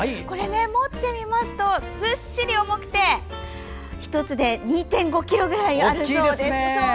持ってみますと、ずっしり重くて１つで２．５ｋｇぐらいあるそうです。